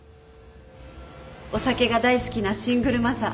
お酒が大好きなシングルマザー。